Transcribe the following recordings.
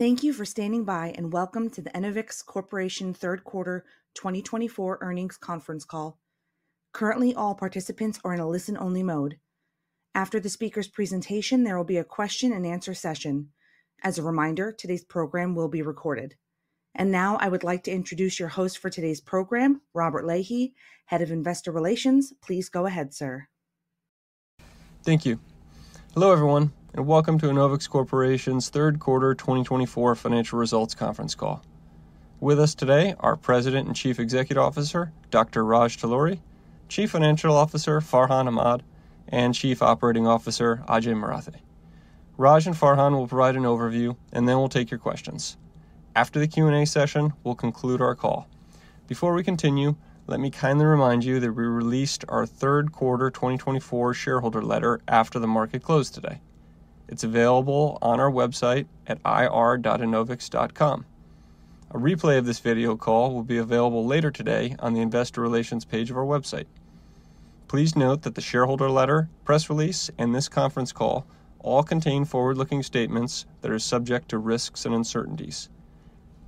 Thank you for standing by and welcome to the Enovix Corporation Third Quarter 2024 Earnings Conference Call. Currently, all participants are in a listen-only mode. After the speaker's presentation, there will be a question-and-answer session. As a reminder, today's program will be recorded. And now, I would like to introduce your host for today's program, Robert Lahey, Head of Investor Relations. Please go ahead, sir. Thank you. Hello everyone, and welcome to Enovix Corporation's Third Quarter 2024 Financial Results Conference Call. With us today are President and Chief Executive Officer, Dr. Raj Talluri, Chief Financial Officer Farhan Ahmad, and Chief Operating Officer Ajay Marathe. Raj and Farhan will provide an overview, and then we'll take your questions. After the Q&A session, we'll conclude our call. Before we continue, let me kindly remind you that we released our Third Quarter 2024 shareholder letter after the market closed today. It's available on our website at ir.enovix.com. A replay of this video call will be available later today on the Investor Relations page of our website. Please note that the shareholder letter, press release, and this conference call all contain forward-looking statements that are subject to risks and uncertainties.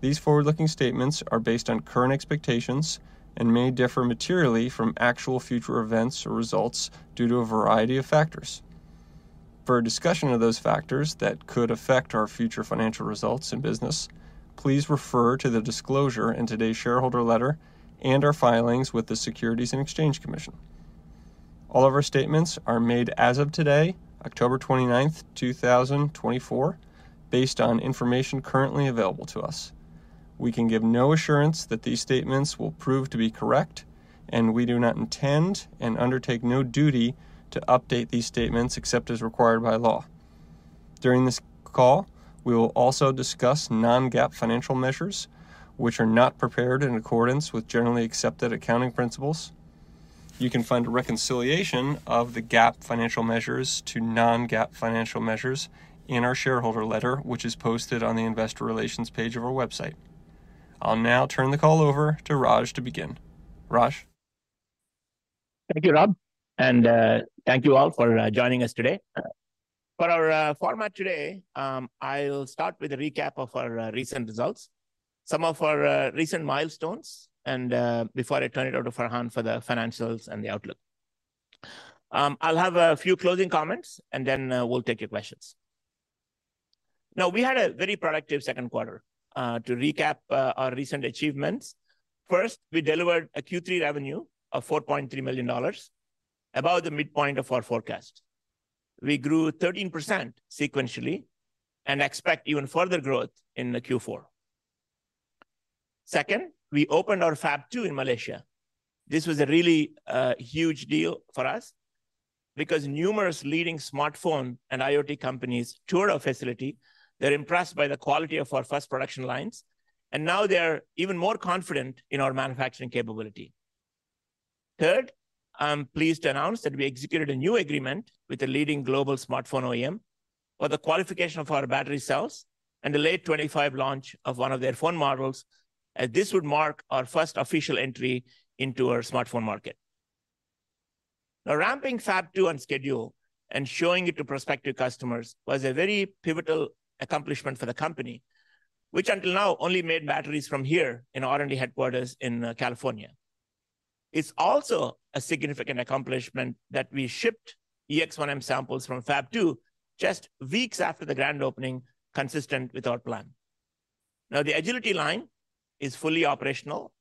These forward-looking statements are based on current expectations and may differ materially from actual future events or results due to a variety of factors. For a discussion of those factors that could affect our future financial results and business, please refer to the disclosure in today's shareholder letter and our filings with the Securities and Exchange Commission. All of our statements are made as of today, October 29, 2024, based on information currently available to us. We can give no assurance that these statements will prove to be correct, and we do not intend and undertake no duty to update these statements except as required by law. During this call, we will also discuss non-GAAP financial measures, which are not prepared in accordance with Generally Accepted Accounting Principles. You can find a reconciliation of the GAAP financial measures to non-GAAP financial measures in our shareholder letter, which is posted on the Investor Relations page of our website. I'll now turn the call over to Raj to begin. Raj. Thank you, Rob, and thank you all for joining us today. For our format today, I'll start with a recap of our recent results, some of our recent milestones, and before I turn it over to Farhan for the financials and the outlook, I'll have a few closing comments, and then we'll take your questions. Now, we had a very productive second quarter. To recap our recent achievements, first, we delivered a Q3 revenue of $4.3 million, about the midpoint of our forecast. We grew 13% sequentially and expect even further growth in Q4. Second, we opened our Fab2 in Malaysia. This was a really huge deal for us because numerous leading smartphone and IoT companies toured our facility. They're impressed by the quality of our first production lines, and now they're even more confident in our manufacturing capability. Third, I'm pleased to announce that we executed a new agreement with a leading global smartphone OEM for the qualification of our battery cells and the late 2025 launch of one of their phone models, as this would mark our first official entry into our smartphone market. Now, ramping Fab2 on schedule and showing it to prospective customers was a very pivotal accomplishment for the company, which until now only made batteries from here in our headquarters in California. It's also a significant accomplishment that we shipped EX-1M samples from Fab2 just weeks after the grand opening, consistent with our plan. Now, the Agility Line is fully operational,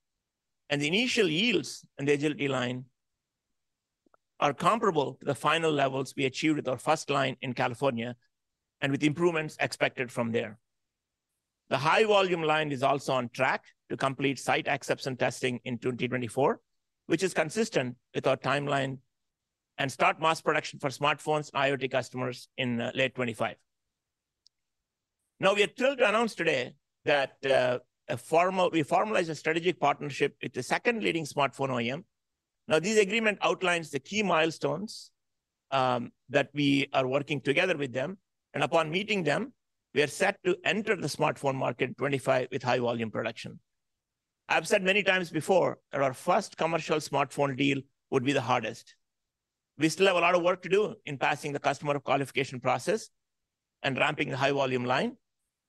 and the initial yields in the Agility Line are comparable to the final levels we achieved with our first line in California and with the improvements expected from there. The high-volume line is also on track to complete site acceptance testing in 2024, which is consistent with our timeline and start mass production for smartphones and IoT customers in late 2025. Now, we are thrilled to announce today that we formalized a strategic partnership with the second leading smartphone OEM. Now, this agreement outlines the key milestones that we are working together with them, and upon meeting them, we are set to enter the smartphone market in 2025 with high-volume production. I've said many times before that our first commercial smartphone deal would be the hardest. We still have a lot of work to do in passing the customer qualification process and ramping the high-volume line,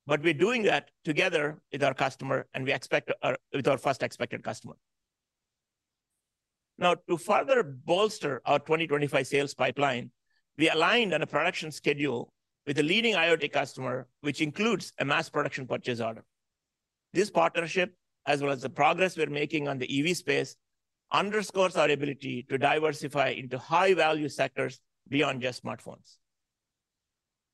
but we're doing that together with our customer and with our first expected customer. Now, to further bolster our 2025 sales pipeline, we aligned on a production schedule with a leading IoT customer, which includes a mass production purchase order. This partnership, as well as the progress we're making on the EV space, underscores our ability to diversify into high-value sectors beyond just smartphones.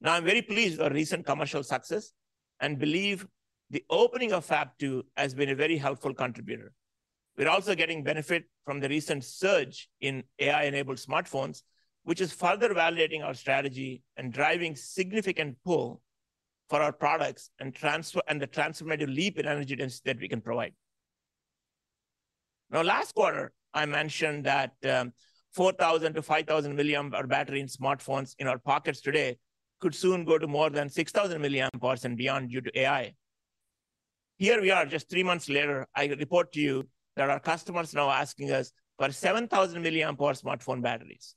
Now, I'm very pleased with our recent commercial success and believe the opening of Fab2 has been a very helpful contributor. We're also getting benefit from the recent surge in AI-enabled smartphones, which is further validating our strategy and driving a significant pull for our products and the transformative leap in energy density that we can provide. Now, last quarter, I mentioned that 4,000-5,000 milliamp-hour battery in smartphones in our pockets today could soon go to more than 6,000 milliamp-hours and beyond due to AI. Here we are, just three months later, I report to you that our customers are now asking us for 7,000 milliamp-hour smartphone batteries.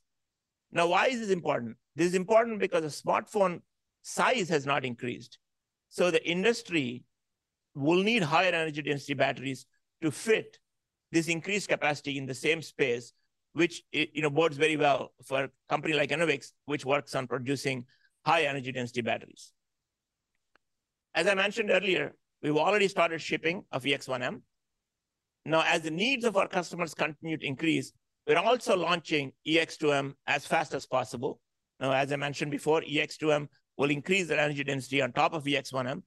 Now, why is this important? This is important because the smartphone size has not increased, so the industry will need higher energy density batteries to fit this increased capacity in the same space, which bodes very well for a company like Enovix, which works on producing high energy density batteries. As I mentioned earlier, we've already started shipping of EX-1M. Now, as the needs of our customers continue to increase, we're also launching EX-2M as fast as possible. Now, as I mentioned before, EX-2M will increase the energy density on top of EX-1M.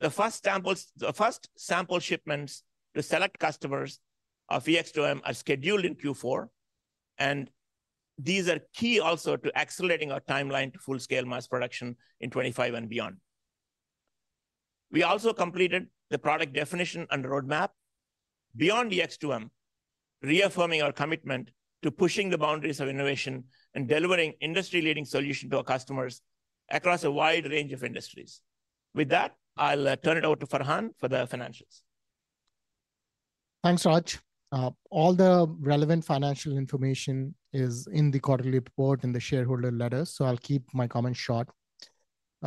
The first sample shipments to select customers of EX-2M are scheduled in Q4, and these are key also to accelerating our timeline to full-scale mass production in 2025 and beyond. We also completed the product definition and roadmap beyond EX-2M, reaffirming our commitment to pushing the boundaries of innovation and delivering industry-leading solutions to our customers across a wide range of industries. With that, I'll turn it over to Farhan for the financials. Thanks, Raj. All the relevant financial information is in the quarterly report and the shareholder letter, so I'll keep my comments short.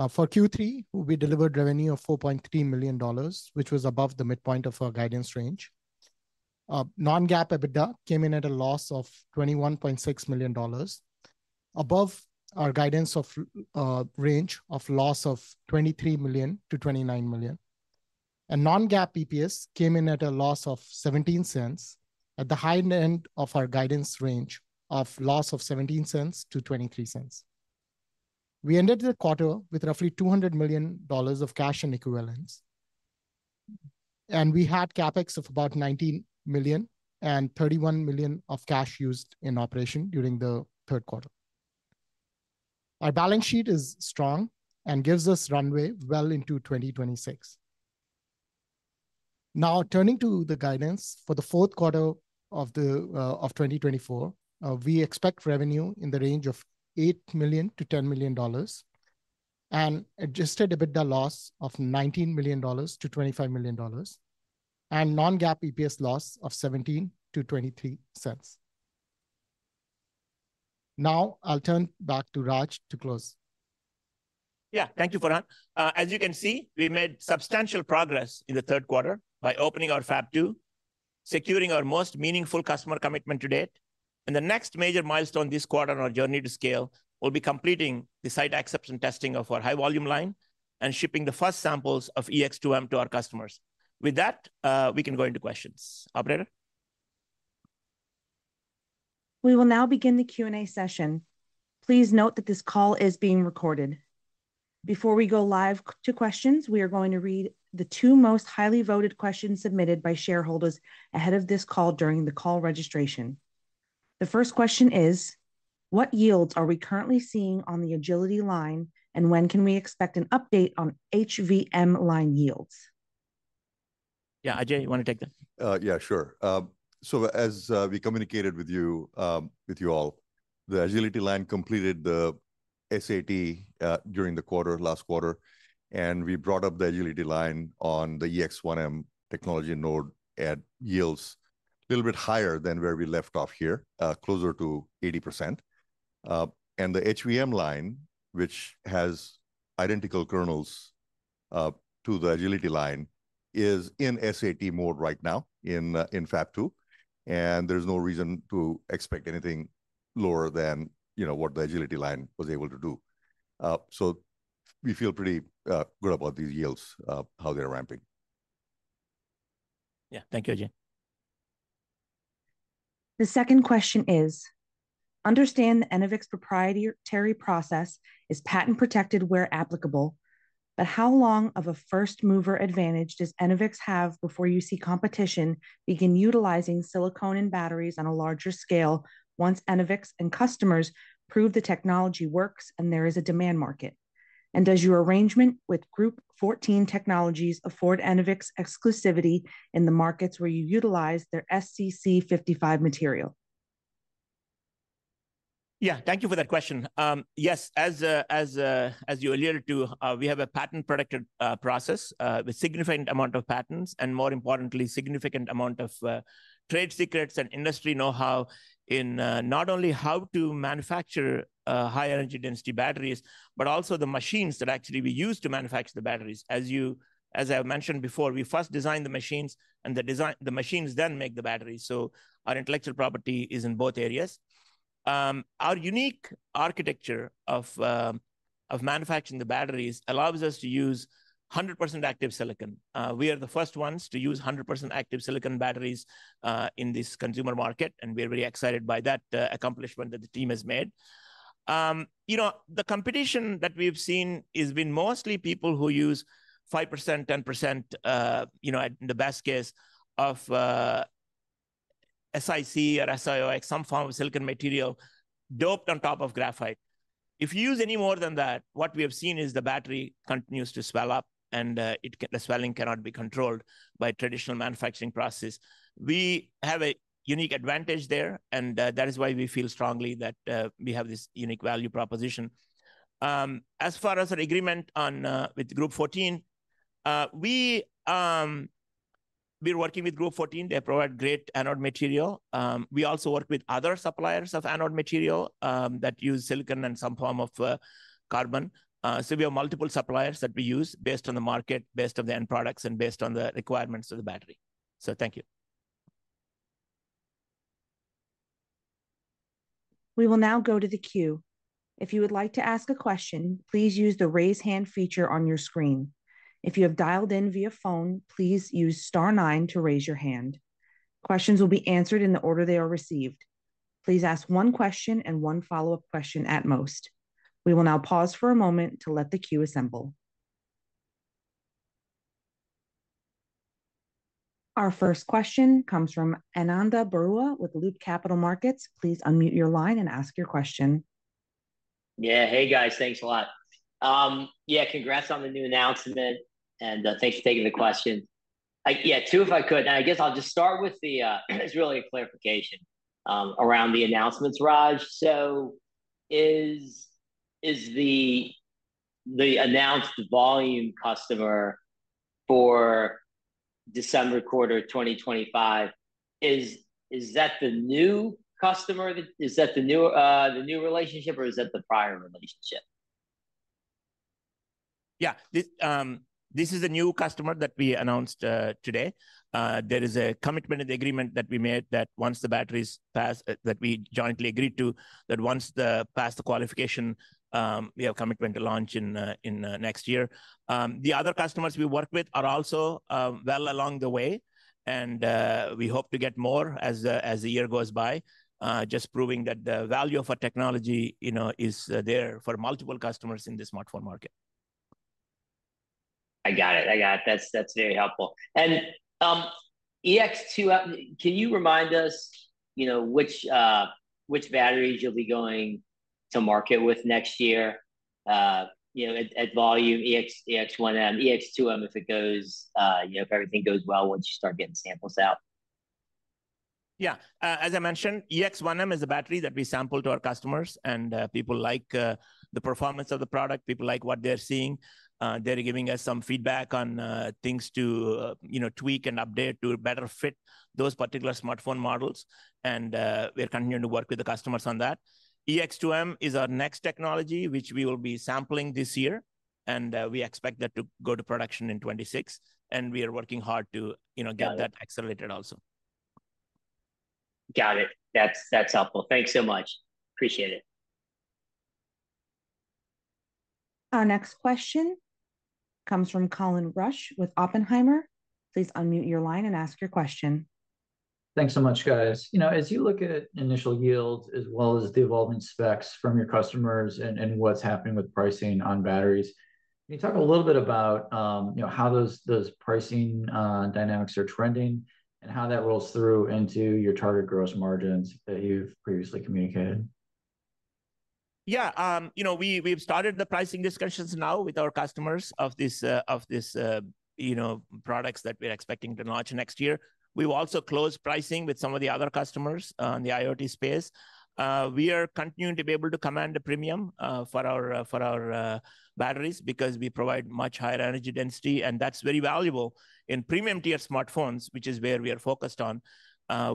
For Q3, we delivered revenue of $4.3 million, which was above the midpoint of our guidance range. Non-GAAP EBITDA came in at a loss of $21.6 million, above our guidance range of loss of $23 million-$29 million. And non-GAAP EPS came in at a loss of $0.17 at the high end of our guidance range of loss of $0.17-$0.23. We ended the quarter with roughly $200 million of cash and equivalents, and we had CapEx of about $19 million and $31 million of cash used in operations during the third quarter. Our balance sheet is strong and gives us runway well into 2026. Now, turning to the guidance for the fourth quarter of 2024, we expect revenue in the range of $8-$10 million and adjusted EBITDA loss of $19-$25 million and Non-GAAP EPS loss of $0.17-$0.23. Now, I'll turn back to Raj to close. Yeah, thank you, Farhan. As you can see, we made substantial progress in the third quarter by opening our Fab2, securing our most meaningful customer commitment to date, and the next major milestone this quarter on our journey to scale will be completing the site acceptance testing of our high-volume line and shipping the first samples of EX-2M to our customers. With that, we can go into questions. Operator. We will now begin the Q&A session. Please note that this call is being recorded. Before we go live to questions, we are going to read the two most highly voted questions submitted by shareholders ahead of this call during the call registration. The first question is, What yields are we currently seeing on the Agility Line, and when can we expect an update on HVM line yields? Yeah, Ajay, you want to take that? Yeah, sure. So, as we communicated with you all, the Agility Line completed the SAT during the last quarter, and we brought up the Agility Line on the EX-1M technology node at yields a little bit higher than where we left off here, closer to 80%. And the HVM line, which has identical kernels to the Agility Line, is in SAT mode right now in Fab2, and there's no reason to expect anything lower than what the Agility Line was able to do. So, we feel pretty good about these yields, how they're ramping. Yeah, thank you, Ajay. The second question is, understand Enovix's proprietary process is patent-protected where applicable, but how long of a first-mover advantage does Enovix have before you see competition begin utilizing silicon and batteries on a larger scale once Enovix and customers prove the technology works and there is a demand market? And does your arrangement with Group14 Technologies afford Enovix exclusivity in the markets where you utilize their SCC55 material? Yeah, thank you for that question. Yes, as you alluded to, we have a patent-protected process with a significant amount of patents and, more importantly, a significant amount of trade secrets and industry know-how in not only how to manufacture high-energy density batteries, but also the machines that actually we use to manufacture the batteries. As I mentioned before, we first design the machines, and the machines then make the batteries. So, our intellectual property is in both areas. Our unique architecture of manufacturing the batteries allows us to use 100% active silicon. We are the first ones to use 100% active silicon batteries in this consumer market, and we're very excited by that accomplishment that the team has made. The competition that we've seen has been mostly people who use 5%, 10%, in the best case, of SiC or SiOx, some form of silicon material doped on top of graphite. If you use any more than that, what we have seen is the battery continues to swell up, and the swelling cannot be controlled by traditional manufacturing processes. We have a unique advantage there, and that is why we feel strongly that we have this unique value proposition. As far as our agreement with Group14, we're working with Group14. They provide great anode material. We also work with other suppliers of anode material that use silicon and some form of carbon. So, we have multiple suppliers that we use based on the market, based on the end products, and based on the requirements of the battery. So, thank you. We will now go to the queue. If you would like to ask a question, please use the raise hand feature on your screen. If you have dialed in via phone, please use star nine to raise your hand. Questions will be answered in the order they are received. Please ask one question and one follow-up question at most. We will now pause for a moment to let the queue assemble. Our first question comes from Ananda Baruah with Loop Capital Markets. Please unmute your line and ask your question. Yeah, hey, guys, thanks a lot. Yeah, congrats on the new announcement, and thanks for taking the question. Yeah, two, if I could. And I guess I'll just start with the, it's really a clarification around the announcements, Raj. So, is the announced volume customer for December quarter 2025, is that the new customer? Is that the new relationship, or is that the prior relationship? Yeah, this is the new customer that we announced today. There is a commitment in the agreement that we made that once the batteries pass that we jointly agreed to, that once they pass the qualification, we have a commitment to launch in next year. The other customers we work with are also well along the way, and we hope to get more as the year goes by, just proving that the value of our technology is there for multiple customers in the smartphone market. I got it. I got it. That's very helpful. And EX-2M, can you remind us which batteries you'll be going to market with next year at volume, EX-1M, EX-2M, if it goes, if everything goes well once you start getting samples out? Yeah, as I mentioned, EX-1M is a battery that we sample to our customers, and people like the performance of the product. People like what they're seeing. They're giving us some feedback on things to tweak and update to better fit those particular smartphone models, and we're continuing to work with the customers on that. EX-2M is our next technology, which we will be sampling this year, and we expect that to go to production in 2026, and we are working hard to get that accelerated also. Got it. That's helpful. Thanks so much. Appreciate it. Our next question comes from Colin Rusch with Oppenheimer. Please unmute your line and ask your question. Thanks so much, guys. As you look at initial yields as well as the evolving specs from your customers and what's happening with pricing on batteries, can you talk a little bit about how those pricing dynamics are trending and how that rolls through into your target gross margins that you've previously communicated? Yeah, we've started the pricing discussions now with our customers of these products that we're expecting to launch next year. We've also closed pricing with some of the other customers in the IoT space. We are continuing to be able to command the premium for our batteries because we provide much higher energy density, and that's very valuable in premium-tier smartphones, which is where we are focused on,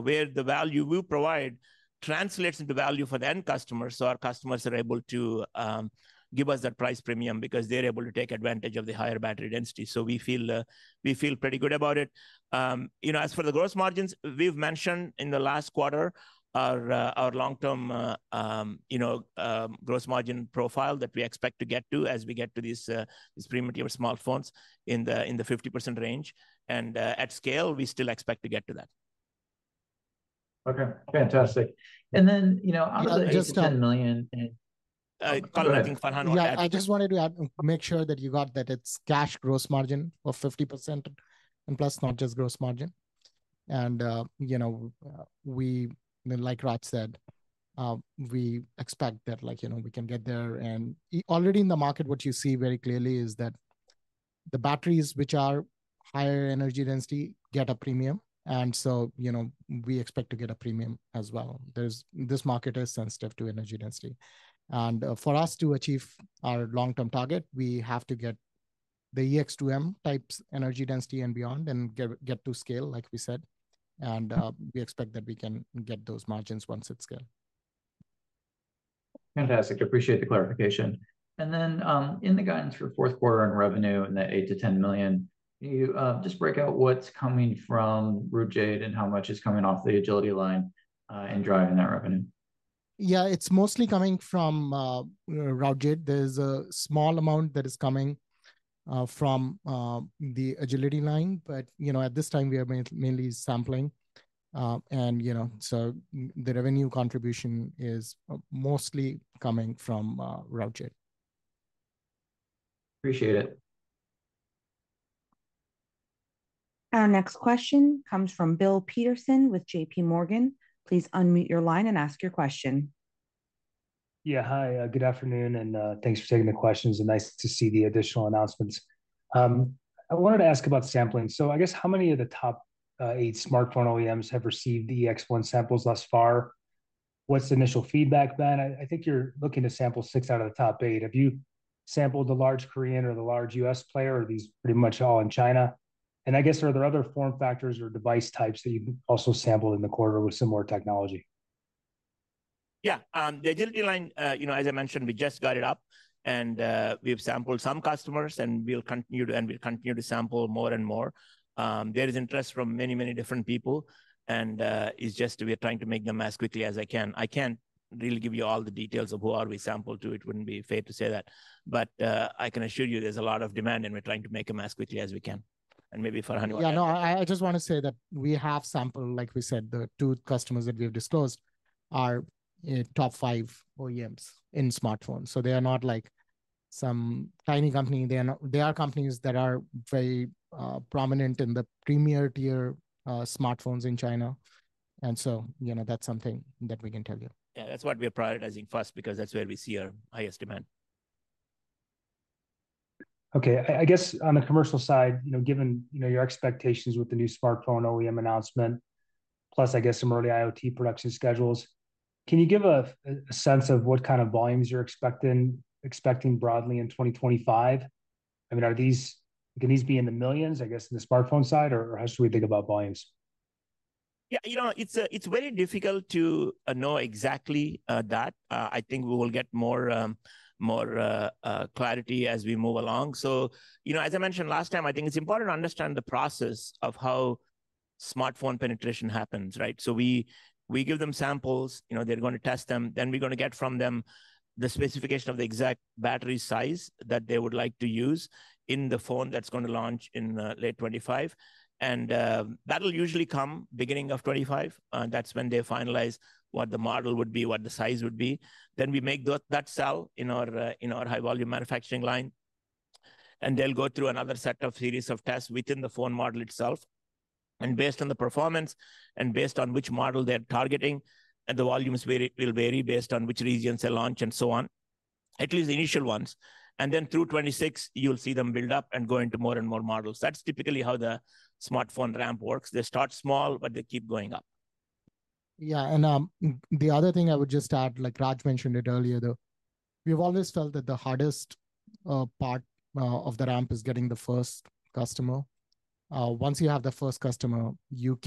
where the value we provide translates into value for the end customers. So, our customers are able to give us that price premium because they're able to take advantage of the higher battery density. So, we feel pretty good about it. As for the gross margins, we've mentioned in the last quarter our long-term gross margin profile that we expect to get to as we get to these premium-tier smartphones in the 50% range. At scale, we still expect to get to that. Okay, fantastic, and then on the $10 million. Colin, I think Farhan wanted to add to that. I just wanted to make sure that you got that it's cash gross margin of 50% and plus, not just gross margin. Like Raj said, we expect that we can get there. Already in the market, what you see very clearly is that the batteries which are higher energy density get a premium. So, we expect to get a premium as well. This market is sensitive to energy density. For us to achieve our long-term target, we have to get the EX-2M type energy density and beyond and get to scale, like we said. We expect that we can get those margins once it's scaled. Fantastic. Appreciate the clarification. And then in the guidance for fourth quarter and revenue in that $8 million-$10 million, can you just break out what's coming from Routejade and how much is coming off the Agility Line and driving that revenue? Yeah, it's mostly coming from Routejade. There's a small amount that is coming from the Agility Line, but at this time, we are mainly sampling. And so, the revenue contribution is mostly coming from Routejade. Appreciate it. Our next question comes from Bill Peterson with J.P. Morgan. Please unmute your line and ask your question. Yeah, hi. Good afternoon, and thanks for taking the questions, and nice to see the additional announcements. I wanted to ask about sampling, so I guess how many of the top eight smartphone OEMs have received the EX-1M samples thus far? What's the initial feedback been? I think you're looking to sample six out of the top eight. Have you sampled the large Korean or the large US player, or are these pretty much all in China, and I guess are there other form factors or device types that you've also sampled in the quarter with similar technology? Yeah, the Agility Line, as I mentioned, we just got it up, and we've sampled some customers, and we'll continue to sample more and more. There is interest from many, many different people, and it's just we are trying to make them as quickly as I can. I can't really give you all the details of who we sampled to. It wouldn't be fair to say that. But I can assure you there's a lot of demand, and we're trying to make them as quickly as we can. And maybe Farhan. Yeah, no, I just want to say that we have sampled, like we said, the two customers that we have disclosed are top five OEMs in smartphones. So, they are not like some tiny company. They are companies that are very prominent in the premier-tier smartphones in China, and so that's something that we can tell you. Yeah, that's what we are prioritizing first because that's where we see our highest demand. Okay, I guess on the commercial side, given your expectations with the new smartphone OEM announcement, plus I guess some early IoT production schedules, can you give a sense of what kind of volumes you're expecting broadly in 2025? I mean, can these be in the millions, I guess, in the smartphone side, or how should we think about volumes? Yeah, you know it's very difficult to know exactly that. I think we will get more clarity as we move along. So, as I mentioned last time, I think it's important to understand the process of how smartphone penetration happens, right? So, we give them samples. They're going to test them. Then we're going to get from them the specification of the exact battery size that they would like to use in the phone that's going to launch in late 2025. And that'll usually come beginning of 2025. That's when they finalize what the model would be, what the size would be. Then we make that cell in our high-volume manufacturing line. And they'll go through another set of series of tests within the phone model itself. Based on the performance and based on which model they're targeting, the volumes will vary based on which regions they launch and so on, at least the initial ones. Then through 2026, you'll see them build up and go into more and more models. That's typically how the smartphone ramp works. They start small, but they keep going up. Yeah, and the other thing I would just add, like Raj mentioned it earlier, though, we've always felt that the hardest part of the ramp is getting the first customer. Once you have the first customer, your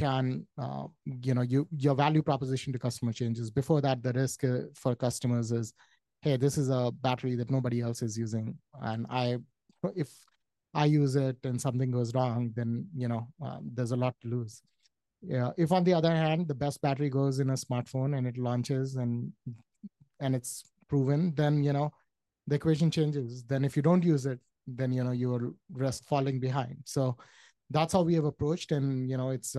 value proposition to customer changes. Before that, the risk for customers is, hey, this is a battery that nobody else is using. And if I use it and something goes wrong, then there's a lot to lose. If on the other hand, the best battery goes in a smartphone and it launches and it's proven, then the equation changes. Then if you don't use it, then you risk falling behind. So, that's how we have approached. It's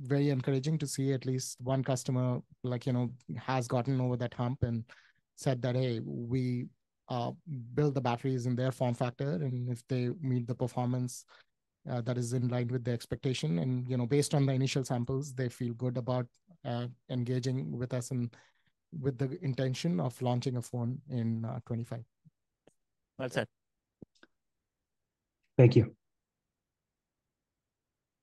very encouraging to see at least one customer has gotten over that hump and said that, hey, we build the batteries in their form factor, and if they meet the performance that is in line with the expectation, and based on the initial samples, they feel good about engaging with us and with the intention of launching a phone in 2025. Well said. Thank you.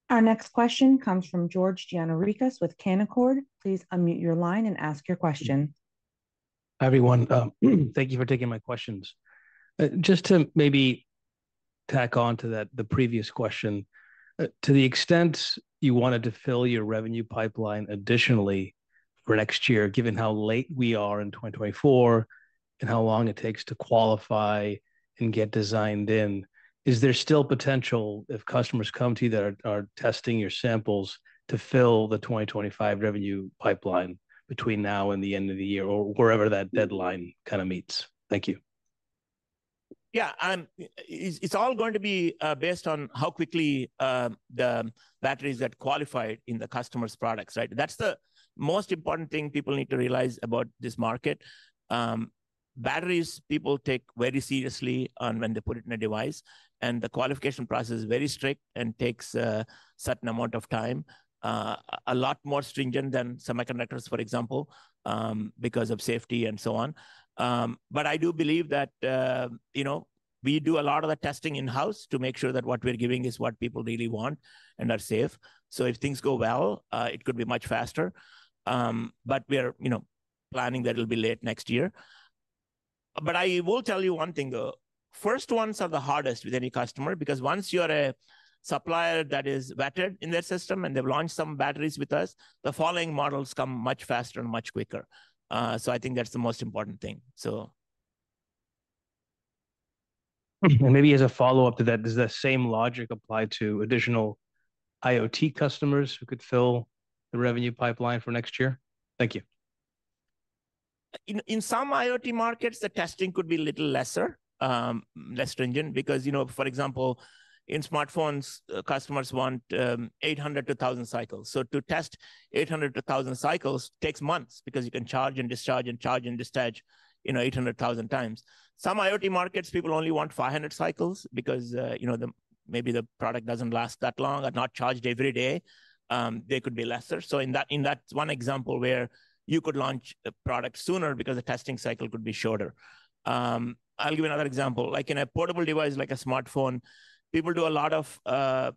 Our next question comes from George Gianarikas with Canaccord. Please unmute your line and ask your question. Hi everyone. Thank you for taking my questions. Just to maybe tack on to the previous question, to the extent you wanted to fill your revenue pipeline additionally for next year, given how late we are in 2024 and how long it takes to qualify and get designed in, is there still potential if customers come to you that are testing your samples to fill the 2025 revenue pipeline between now and the end of the year or wherever that deadline kind of meets? Thank you. Yeah, it's all going to be based on how quickly the batteries get qualified in the customer's products, right? That's the most important thing people need to realize about this market. Batteries, people take very seriously when they put it in a device. And the qualification process is very strict and takes a certain amount of time, a lot more stringent than semiconductors, for example, because of safety and so on. But I do believe that we do a lot of the testing in-house to make sure that what we're giving is what people really want and are safe. So, if things go well, it could be much faster. But we are planning that it'll be late next year. But I will tell you one thing, though. First ones are the hardest with any customer because once you're a supplier that is vetted in their system and they've launched some batteries with us, the following models come much faster and much quicker. So, I think that's the most important thing. Maybe as a follow-up to that, is the same logic applied to additional IoT customers who could fill the revenue pipeline for next year? Thank you. In some IoT markets, the testing could be a little less stringent because, for example, in smartphones, customers want 800 to 1,000 cycles. So, to test 800 to 1,000 cycles takes months because you can charge and discharge and charge and discharge 800,000 times. Some IoT markets, people only want 500 cycles because maybe the product doesn't last that long and not charged every day. They could be lesser. So, that's one example where you could launch the product sooner because the testing cycle could be shorter. I'll give you another example. Like in a portable device like a smartphone, people do a lot of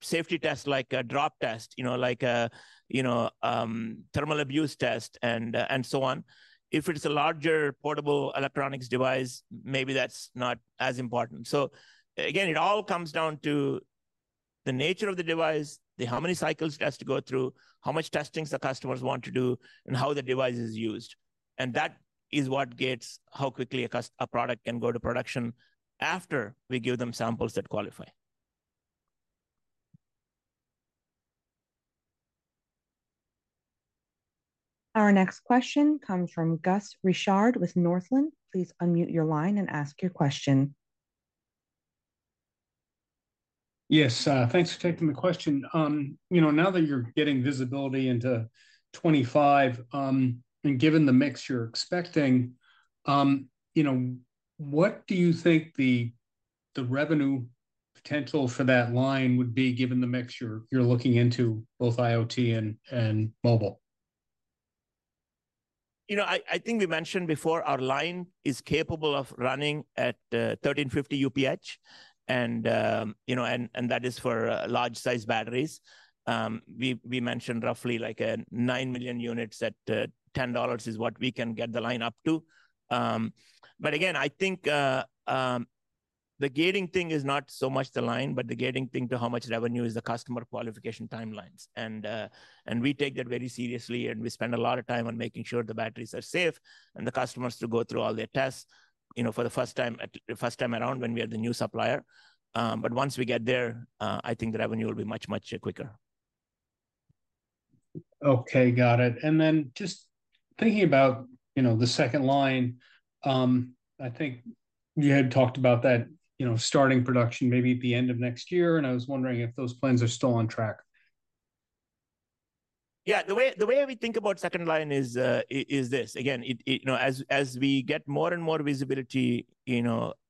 safety tests like a drop test, like a thermal abuse test, and so on. If it's a larger portable electronics device, maybe that's not as important. So, again, it all comes down to the nature of the device, how many cycles it has to go through, how much testing the customers want to do, and how the device is used. And that is what gets how quickly a product can go to production after we give them samples that qualify. Our next question comes from Gus Richard with Northland. Please unmute your line and ask your question. Yes, thanks for taking the question. Now that you're getting visibility into 2025 and given the mix you're expecting, what do you think the revenue potential for that line would be given the mix you're looking into both IoT and mobile? You know, I think we mentioned before our line is capable of running at 1350 UPH. And that is for large-sized batteries. We mentioned roughly like nine million units at $10 is what we can get the line up to. But again, I think the gating thing is not so much the line, but the gating thing to how much revenue is the customer qualification timelines. And we take that very seriously, and we spend a lot of time on making sure the batteries are safe and the customers to go through all their tests for the first time around when we are the new supplier. But once we get there, I think the revenue will be much, much quicker. Okay, got it, and then just thinking about the second line, I think you had talked about that starting production maybe at the end of next year, and I was wondering if those plans are still on track. Yeah, the way we think about second line is this. Again, as we get more and more visibility through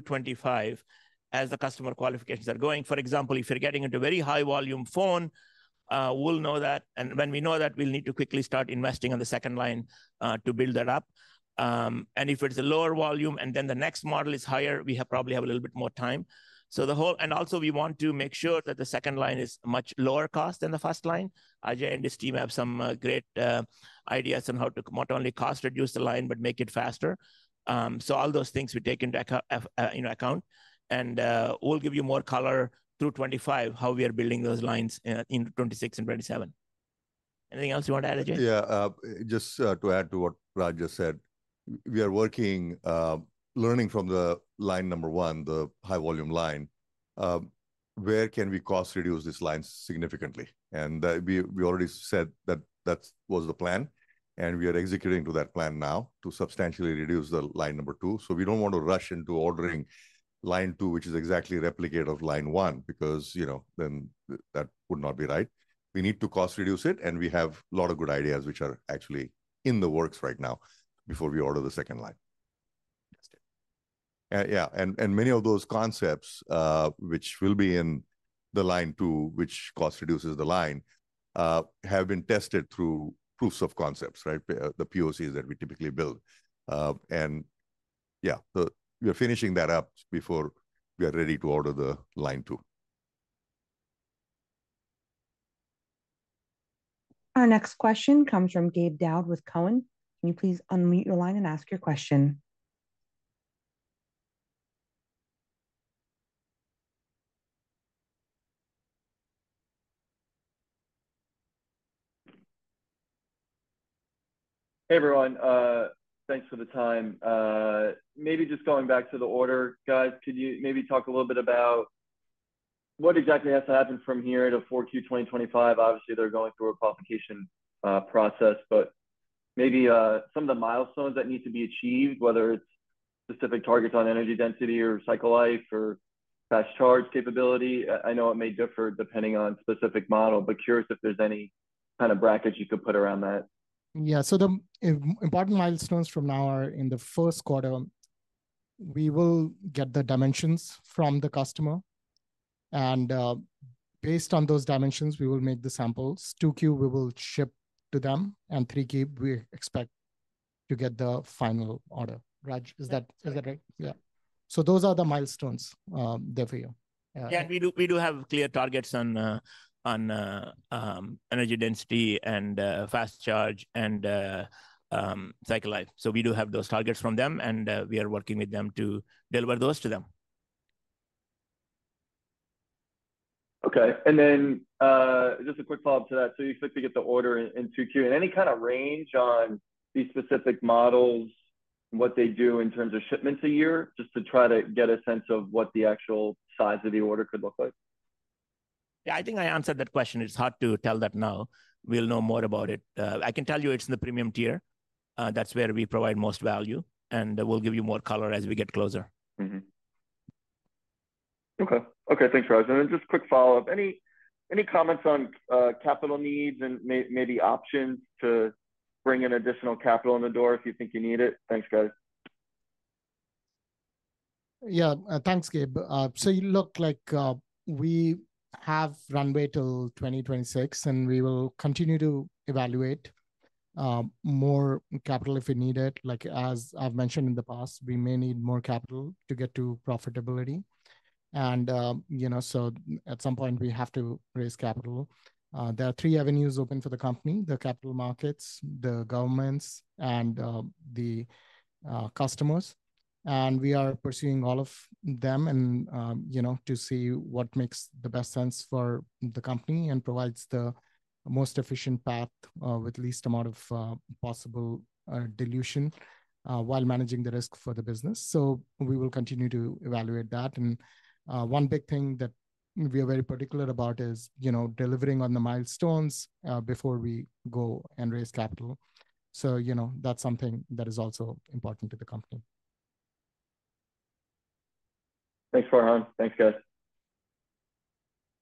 2025, as the customer qualifications are going, for example, if you're getting into a very high-volume phone, we'll know that. And when we know that, we'll need to quickly start investing on the second line to build that up. And if it's a lower volume and then the next model is higher, we probably have a little bit more time. And also, we want to make sure that the second line is much lower cost than the first line. Ajay and his team have some great ideas on how to not only cost-reduce the line, but make it faster. So, all those things we take into account. And we'll give you more color through 2025, how we are building those lines in 2026 and 2027. Anything else you want to add, Ajay? Yeah, just to add to what Raj just said, we are working, learning from the line number one, the high-volume line, where can we cost-reduce this line significantly? And we already said that that was the plan. And we are executing to that plan now to substantially reduce the line number two. So, we don't want to rush into ordering line two, which is exactly a replicate of line one because then that would not be right. We need to cost-reduce it, and we have a lot of good ideas which are actually in the works right now before we order the second line. Yeah, and many of those concepts which will be in the line two, which cost-reduces the line, have been tested through proofs of concept, right? The POCs that we typically build. And yeah, we're finishing that up before we are ready to order the line two. Our next question comes from Gabe Daoud with TD Cowen. Can you please unmute your line and ask your question? Hey, everyone. Thanks for the time. Maybe just going back to the order, guys, could you maybe talk a little bit about what exactly has to happen from here to 4Q 2025? Obviously, they're going through a qualification process, but maybe some of the milestones that need to be achieved, whether it's specific targets on energy density or cycle life or fast charge capability. I know it may differ depending on specific model, but curious if there's any kind of brackets you could put around that? Yeah, so the important milestones from now are in the first quarter, we will get the dimensions from the customer. And based on those dimensions, we will make the samples. 2Q, we will ship to them. And 3Q, we expect to get the final order. Raj, is that right? Yeah. So, those are the milestones there for you. Yeah, we do have clear targets on energy density and fast charge and cycle life. So, we do have those targets from them, and we are working with them to deliver those to them. Okay, and then just a quick follow-up to that. So, you expect to get the order in 2Q. And any kind of range on these specific models and what they do in terms of shipments a year, just to try to get a sense of what the actual size of the order could look like? Yeah, I think I answered that question. It's hard to tell that now. We'll know more about it. I can tell you it's in the premium tier. That's where we provide most value, and we'll give you more color as we get closer. Okay, okay, thanks, Raj, and then just a quick follow-up. Any comments on capital needs and maybe options to bring in additional capital in the door if you think you need it? Thanks, guys. Yeah, thanks, Gabe. So, it looks like we have runway till 2026, and we will continue to evaluate more capital if we need it. Like as I've mentioned in the past, we may need more capital to get to profitability. At some point, we have to raise capital. There are three avenues open for the company: the capital markets, the governments, and the customers. We are pursuing all of them to see what makes the best sense for the company and provides the most efficient path with the least amount of possible dilution while managing the risk for the business. We will continue to evaluate that. One big thing that we are very particular about is delivering on the milestones before we go and raise capital. That's something that is also important to the company. Thanks, Farhan. Thanks, guys.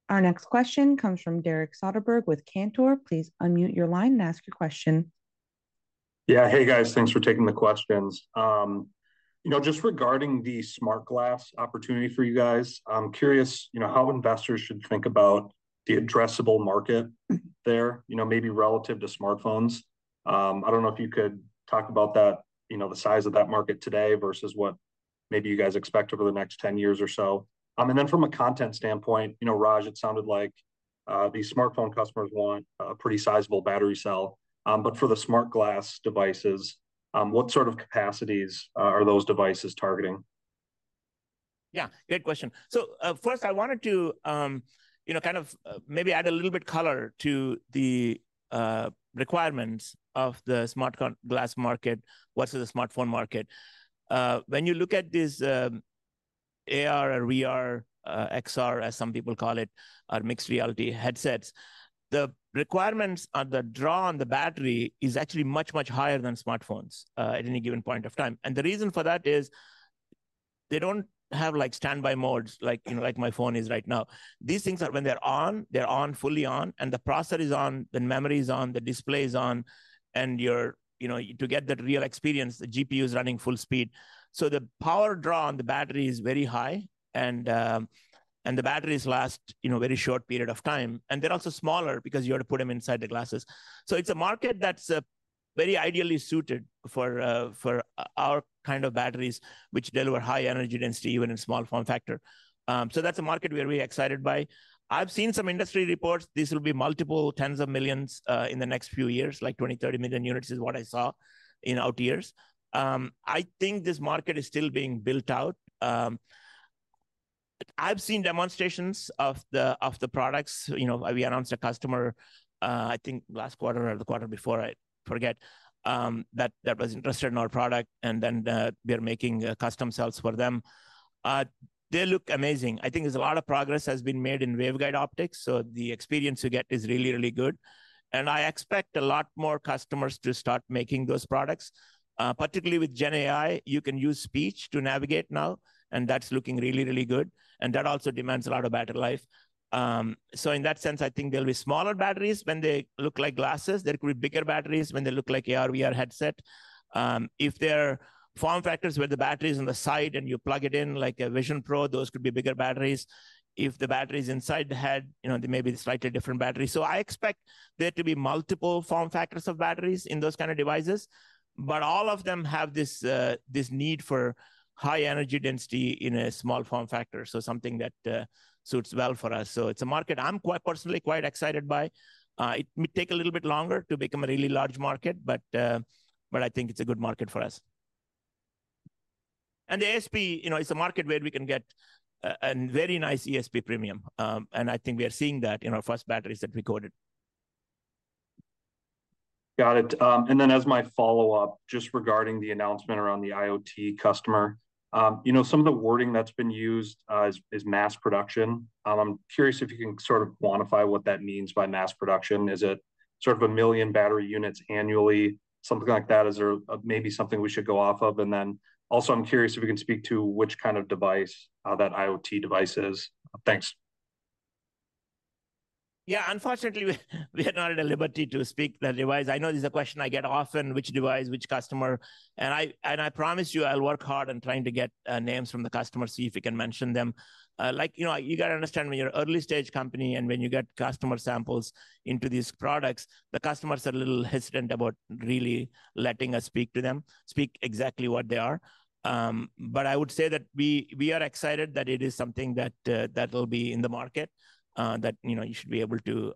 Our next question comes from Derek Soderberg with Cantor. Please unmute your line and ask your question. Yeah, hey, guys. Thanks for taking the questions. Just regarding the smart glass opportunity for you guys, I'm curious how investors should think about the addressable market there, maybe relative to smartphones. I don't know if you could talk about the size of that market today versus what maybe you guys expect over the next 10 years or so. And then from a content standpoint, Raj, it sounded like these smartphone customers want a pretty sizable battery cell. But for the smart glass devices, what sort of capacities are those devices targeting? Yeah, great question. So, first, I wanted to kind of maybe add a little bit of color to the requirements of the smart glass market versus the smartphone market. When you look at these AR or VR, XR, as some people call it, or mixed reality headsets, the requirements on the draw on the battery is actually much, much higher than smartphones at any given point of time. And the reason for that is they don't have standby modes like my phone is right now. These things are when they're on, they're on fully on, and the processor is on, the memory is on, the display is on, and to get that real experience, the GPU is running full speed. So, the power draw on the battery is very high, and the batteries last a very short period of time. They're also smaller because you have to put them inside the glasses. So, it's a market that's very ideally suited for our kind of batteries, which deliver high energy density even in small form factor. So, that's a market we're really excited by. I've seen some industry reports. This will be multiple tens of millions in the next few years, like 20-30 million units is what I saw in out years. I think this market is still being built out. I've seen demonstrations of the products. We announced a customer, I think last quarter or the quarter before, I forget, that was interested in our product, and then we are making custom cells for them. They look amazing. I think there's a lot of progress that has been made in waveguide optics. So, the experience you get is really, really good. I expect a lot more customers to start making those products. Particularly with GenAI, you can use speech to navigate now, and that's looking really, really good. That also demands a lot of battery life. In that sense, I think there'll be smaller batteries when they look like glasses. There could be bigger batteries when they look like AR, VR headset. If they're form factors where the battery is on the side and you plug it in like a Vision Pro, those could be bigger batteries. If the battery is inside the head, there may be slightly different batteries. I expect there to be multiple form factors of batteries in those kinds of devices. But all of them have this need for high energy density in a small form factor. Something that suits well for us. It's a market I'm personally quite excited by. It may take a little bit longer to become a really large market, but I think it's a good market for us. And the ASP is a market where we can get a very nice ASP premium. And I think we are seeing that in our first batteries that we quoted. Got it. And then as my follow-up, just regarding the announcement around the IoT customer, some of the wording that's been used is mass production. I'm curious if you can sort of quantify what that means by mass production. Is it sort of a million battery units annually? Something like that is maybe something we should go off of. And then also, I'm curious if you can speak to which kind of device that IoT device is. Thanks. Yeah, unfortunately, we are not at liberty to speak about that device. I know this is a question I get often, which device, which customer, and I promise you, I'll work hard on trying to get names from the customers, see if we can mention them. You got to understand when you're an early-stage company and when you get customer samples into these products, the customers are a little hesitant about really letting us speak about them, speak exactly what they are. I would say that we are excited that it is something that will be in the market, that you should be able to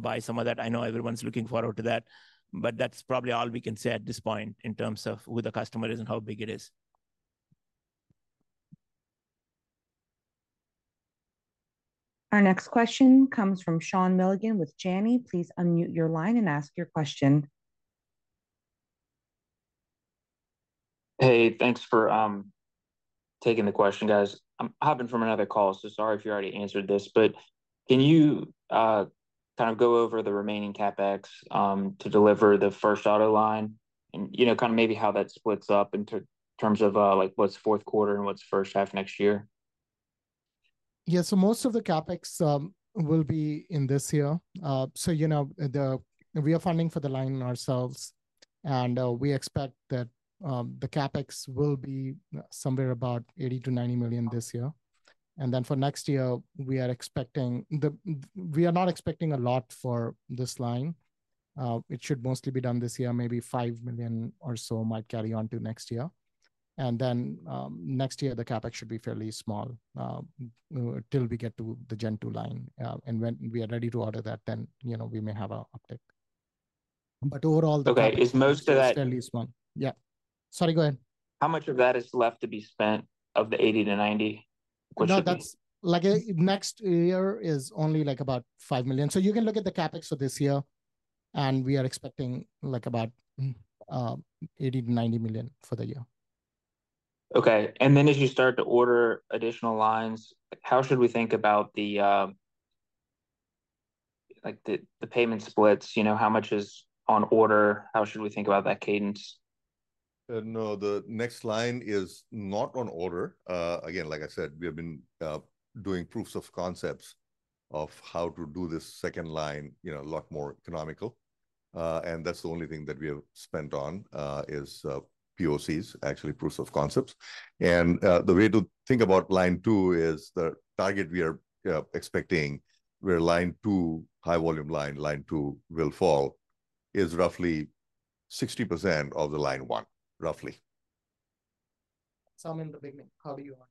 buy some of that. I know everyone's looking forward to that, but that's probably all we can say at this point in terms of who the customer is and how big it is. Our next question comes from Sean Milligan with Janney. Please unmute your line and ask your question. Hey, thanks for taking the question, guys. I'm hopping from another call, so sorry if you already answered this. But can you kind of go over the remaining CapEx to deliver the first auto line and kind of maybe how that splits up in terms of what's fourth quarter and what's first half next year? Yeah, so most of the CapEx will be in this year. So, we are funding for the line ourselves. And we expect that the CapEx will be somewhere about $80 million-$90 million this year. And then for next year, we are not expecting a lot for this line. It should mostly be done this year. Maybe $5 million or so might carry on to next year. And then next year, the CapEx should be fairly small till we get to the Gen2 line. And when we are ready to order that, then we may have an uptake. But overall. Okay, is most of that? It's fairly small. Yeah. Sorry, go ahead. How much of that is left to be spent of the $80-$90? No, next year is only about $5 million. So, you can look at the CapEx for this year. And we are expecting about $80 million-$90 million for the year. Okay. And then as you start to order additional lines, how should we think about the payment splits? How much is on order? How should we think about that cadence? No, the next line is not on order. Again, like I said, we have been doing proofs of concepts of how to do this second line a lot more economical. And that's the only thing that we have spent on is POCs, actually proofs of concepts. And the way to think about line two is the target we are expecting where line two, high-volume line, line two will fall is roughly 60% of the line one, roughly. I'm in the beginning. How do you want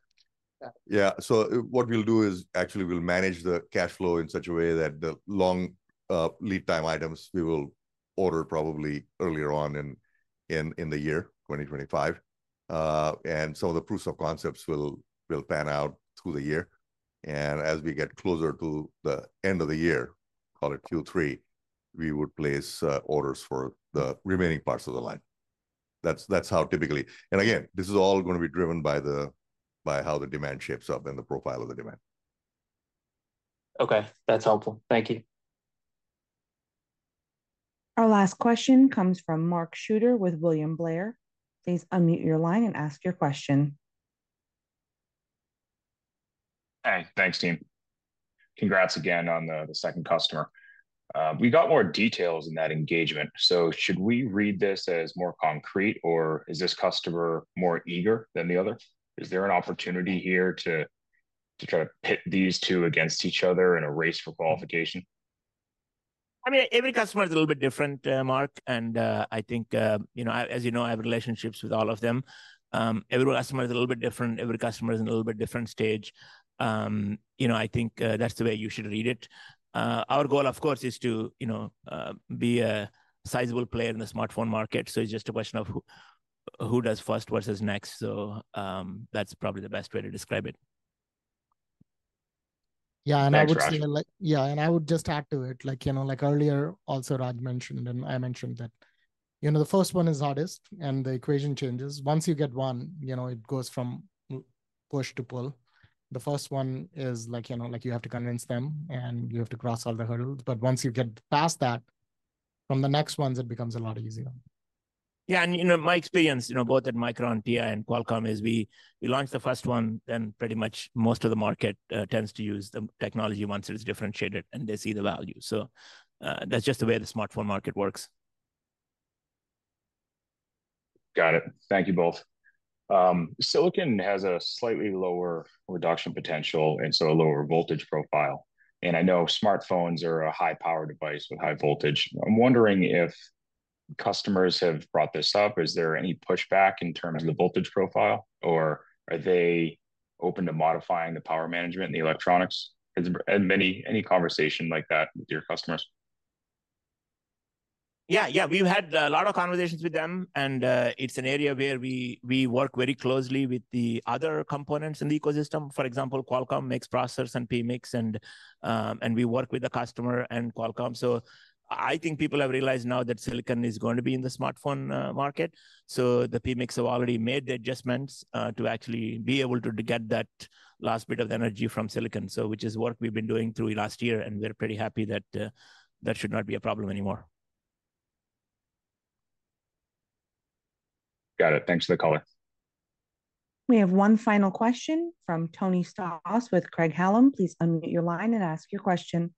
to? Yeah. So, what we'll do is actually we'll manage the cash flow in such a way that the long lead time items we will order probably earlier on in the year, 2025. And some of the proofs of concept will pan out through the year. And as we get closer to the end of the year, call it Q3, we would place orders for the remaining parts of the line. That's how typically. And again, this is all going to be driven by how the demand shapes up and the profile of the demand. Okay, that's helpful. Thank you. Our last question comes from Mark Shooter with William Blair. Please unmute your line and ask your question. Hey, thanks, team. Congrats again on the second customer. We got more details in that engagement. So, should we read this as more concrete, or is this customer more eager than the other? Is there an opportunity here to try to pit these two against each other in a race for qualification? I mean, every customer is a little bit different, Mark, and I think, as you know, I have relationships with all of them. Every customer is a little bit different. Every customer is in a little bit different stage. I think that's the way you should read it. Our goal, of course, is to be a sizable player in the smartphone market, so it's just a question of who does first versus next, so that's probably the best way to describe it. Yeah, and I would say. That's what I would say. Yeah, and I would just add to it. Like earlier, also, Raj mentioned, and I mentioned that the first one is hardest, and the equation changes. Once you get one, it goes from push to pull. The first one is you have to convince them, and you have to cross all the hurdles. But once you get past that, from the next ones, it becomes a lot easier. Yeah, and my experience, both at Micron, TI, and Qualcomm, is we launched the first one, then pretty much most of the market tends to use the technology once it is differentiated, and they see the value. So, that's just the way the smartphone market works. Got it. Thank you both. Silicon has a slightly lower reduction potential and so a lower voltage profile. And I know smartphones are a high-power device with high voltage. I'm wondering if customers have brought this up. Is there any pushback in terms of the voltage profile, or are they open to modifying the power management and the electronics? Any conversation like that with your customers? Yeah, yeah. We've had a lot of conversations with them, and it's an area where we work very closely with the other components in the ecosystem. For example, Qualcomm makes processors and PMICs, and we work with the customer and Qualcomm. So, I think people have realized now that silicon is going to be in the smartphone market, so the PMICs have already made the adjustments to actually be able to get that last bit of energy from silicon, which is work we've been doing through last year, and we're pretty happy that that should not be a problem anymore. Got it. Thanks for calling. We have one final question from Tony Stoss with Craig-Hallum. Please unmute your line and ask your question.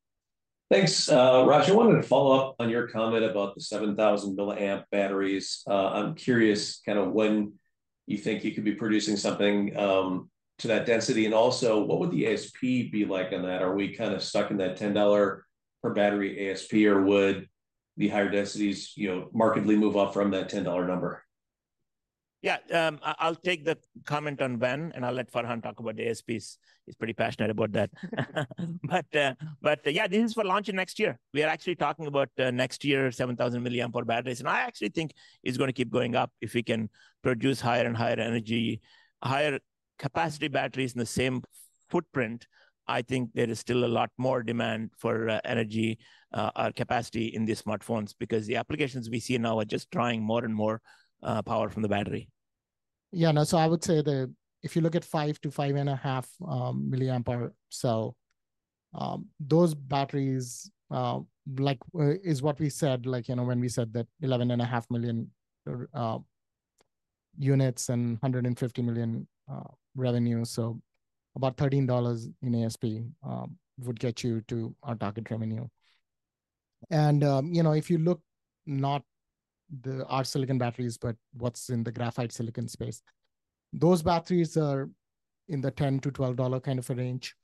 Thanks, Raj. I wanted to follow up on your comment about the 7,000 milliamp batteries. I'm curious kind of when you think you could be producing something to that density, and also, what would the ASP be like on that? Are we kind of stuck in that $10 per battery ASP, or would the higher densities markedly move up from that $10 number? Yeah, I'll take the comment on when, and I'll let Farhan talk about ASPs. He's pretty passionate about that. But yeah, this is for launching next year. We are actually talking about next year, 7,000 milliamp-hour batteries. And I actually think it's going to keep going up. If we can produce higher and higher energy, higher capacity batteries in the same footprint, I think there is still a lot more demand for energy capacity in these smartphones because the applications we see now are just drawing more and more power from the battery. Yeah, no, so I would say that if you look at 5-5.5 milliamp-hour cell, those batteries is what we said when we said that 11.5 million units and $150 million revenue. So, about $13 in ASP would get you to our target revenue. And if you look not at our silicon batteries, but what's in the graphite silicon space, those batteries are in the $10-$12 kind of range,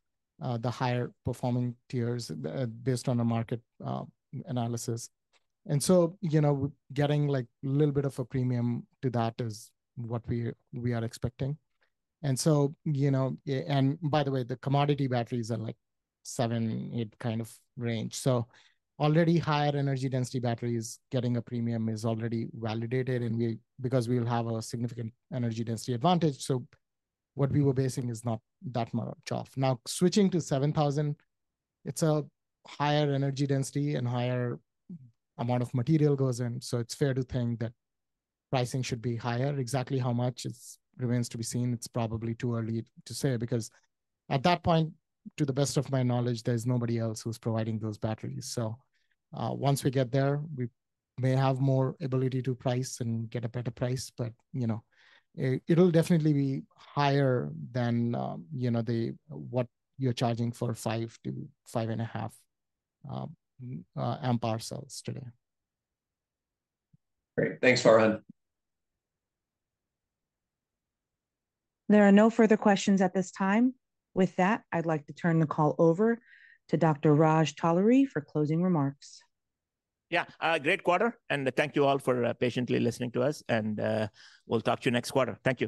the higher performing tiers based on a market analysis. And so, getting a little bit of a premium to that is what we are expecting. And so, by the way, the commodity batteries are like $7-$8 kind of range. So, already higher energy density batteries getting a premium is already validated because we will have a significant energy density advantage. So, what we were basing is not that much off. Now, switching to 7,000, it's a higher energy density and higher amount of material goes in. So, it's fair to think that pricing should be higher. Exactly how much remains to be seen. It's probably too early to say because at that point, to the best of my knowledge, there's nobody else who's providing those batteries. So, once we get there, we may have more ability to price and get a better price. But it'll definitely be higher than what you're charging for 5-5.5-amp-hour cells today. Great. Thanks, Farhan. There are no further questions at this time. With that, I'd like to turn the call over to Dr. Raj Talluri for closing remarks. Yeah, great quarter. And thank you all for patiently listening to us. And we'll talk to you next quarter. Thank you.